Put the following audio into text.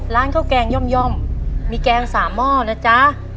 ร้านข้าวแกงย่อมมีแกง๓หม้อนะจ๊ะ